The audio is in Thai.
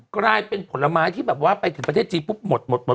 ก็จะเป็นผลไม้ที่แบบว่าไปถึงประเทศจีน